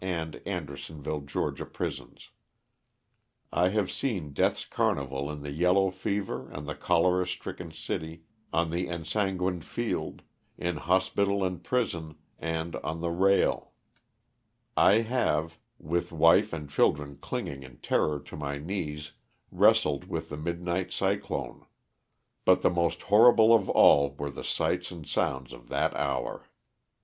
and Andersonville, Ga., prisons. I have seen death's carnival in the yellow fever and the cholera stricken city, on the ensanguined field, in hospital and prison, and on the rail ; I have, with wife 112 LOSS OF THE SULTANA. and children clinging in terror to my knees, wrestled with the midnight cyclone ; but the most horrible of all were the sights and sounds of that hour.